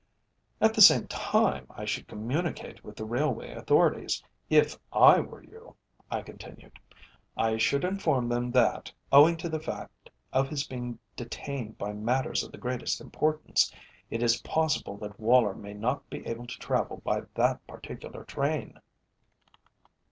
"At the same time I should communicate with the railway authorities, if I were you," I continued. "I should inform them that, owing to the fact of his being detained by matters of the greatest importance, it is possible that Woller may not be able to travel by that particular train."